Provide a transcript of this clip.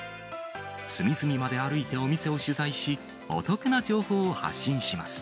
隅々まで歩いてお店を取材し、お得な情報を発信します。